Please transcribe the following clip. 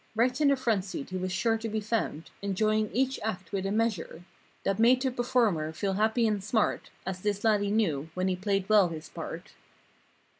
Right in the front seat he was sure to be found Enjoining each act with a measure That made the performer feel happy and smart— As this laddie knew when he played well his part.